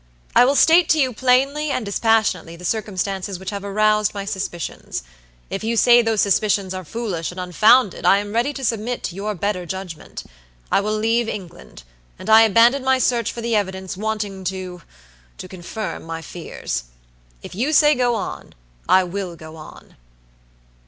I will state to you plainly and dispassionately the circumstances which have aroused my suspicions. If you say those suspicions are foolish and unfounded I am ready to submit to your better judgment. I will leave England; and I abandon my search for the evidence wanting toto confirm my fears. If you say go on, I will go on."